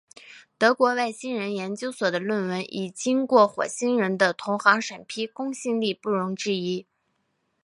德国外星人研究所的论文已经过火星人的同行审批，公信力不容置疑。